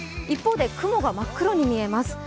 一方で雲が真っ黒に見えます。